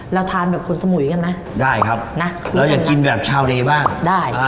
เราทานแบบคนสมุยกันไหมได้ครับนะเราอยากกินแบบชาวเลบ้างได้อ่า